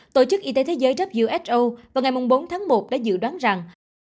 tổ chức y tế thế giới who vào ngày bốn tháng một đã dự đoán rằng